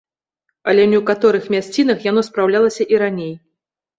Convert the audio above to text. Але ў некаторых мясцінах яно спраўлялася і раней.